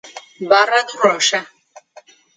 Barra do Rocha